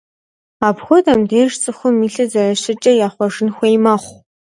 Апхуэдэхэм деж цӏыхум и лъыр зэрыщыткӏэ яхъуэжын хуей мэхъу.